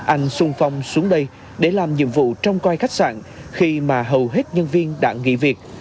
anh xuân phong xuống đây để làm nhiệm vụ trong coi khách sạn khi mà hầu hết nhân viên đã nghỉ việc